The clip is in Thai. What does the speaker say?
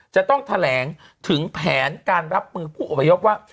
จะต้องแถลงถึงแผนการรับมือผู้อพยพว่า